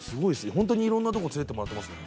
本当にいろんなとこ連れてってもらってますね。